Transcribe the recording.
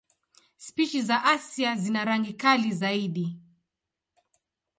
Spishi za Asia zina rangi kali zaidi.